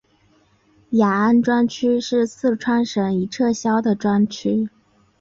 雅安专区是四川省已撤销的专区。